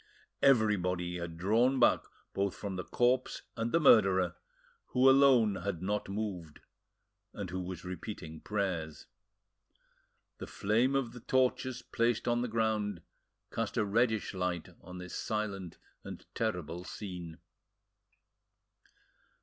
Everybody had drawn back both from the corpse and the murderer, who alone had not moved, and who was repeating prayers. The flame of the torches placed on the ground cast a reddish light on this silent and terrible scene.